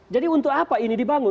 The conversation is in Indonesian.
jadi untuk apa ini dibangun